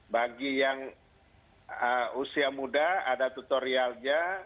bagi yang usia muda ada tutorialnya